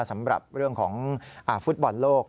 สำหรับเรื่องของฟุตบอลโลก